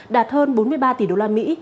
đạt hơn bốn mươi ba tỷ đô la mỹ